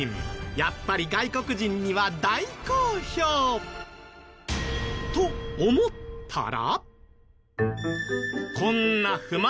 やっぱり外国人には大好評。と思ったら。